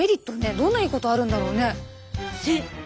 どんないいことあるんだろうね？